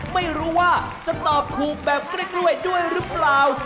ไม่รู้ว่าจะตอบถูกแบบกล้วยด้วยหรือเปล่า